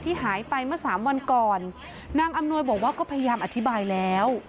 หายไปเมื่อสามวันก่อนนางอำนวยบอกว่าก็พยายามอธิบายแล้ว